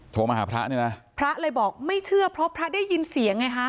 โทรมาหาพระเนี่ยนะพระเลยบอกไม่เชื่อเพราะพระได้ยินเสียงไงฮะ